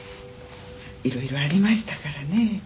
いろいろありましたからねえ。